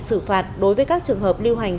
được phạt đối với các trường hợp lưu hành